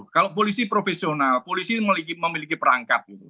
kalau polisi profesional polisi memiliki perangkat gitu